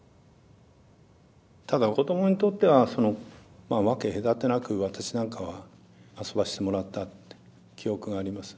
ただ子どもにとっては分け隔てなく私なんかは遊ばせてもらったって記憶があります。